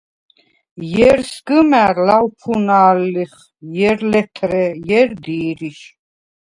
ჲერ სგჷმა̈რ ლავფუნალვ ლიხ, ჲერ – ლეთრე, ჲერ – დი̄რიშ.